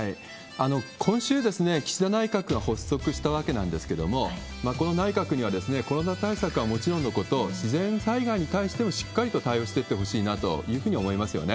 今週、岸田内閣が発足したわけなんですけれども、この内閣には、コロナ対策はもちろんのこと、自然災害に対してもしっかりと対応していってほしいなというふうそうですね。